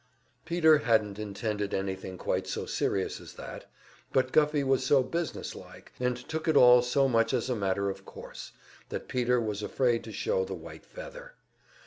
Peter hadn't intended anything quite so serious as that, but Guffey was so business like, and took it all so much as a matter of course, that Peter was afraid to show the white feather.